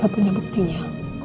tidak punya buktinya